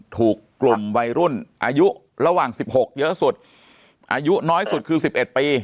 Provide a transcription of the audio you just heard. ถูกกลุ่มวัยรุ่นอายุระหว่าง๑๖เยอะสุดอายุน้อยสุดคือ๑๑ปี